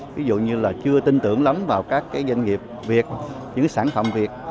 ví dụ như là chưa tin tưởng lắm vào các doanh nghiệp việt những sản phẩm việt